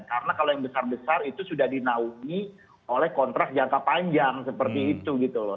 karena kalau yang besar besar itu sudah dinaudi oleh kontrak jangka panjang seperti itu gitu loh